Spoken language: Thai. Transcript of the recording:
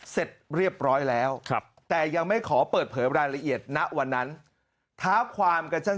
เสร็จเรียบร้อยแล้วแต่ยังไม่ขอเปิดเผยรายละเอียดณวันนั้นท้าความกันสัก